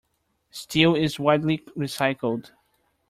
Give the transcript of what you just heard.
Steel is widely recycled.